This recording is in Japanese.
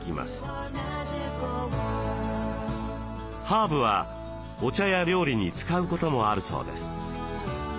ハーブはお茶や料理に使うこともあるそうです。